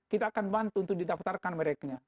kita akan bantu untuk didaftarkan mereknya